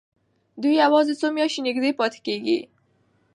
دوی یوازې څو میاشتې نږدې پاتې کېږي.